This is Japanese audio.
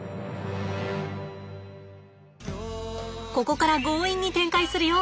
ここから強引に展開するよ。